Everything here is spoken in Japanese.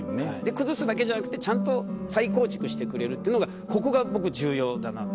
崩すだけじゃなくてちゃんと再構築してくれるっていうのがここが僕重要だなと。